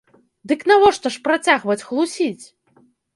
Дык навошта ж працягваць хлусіць?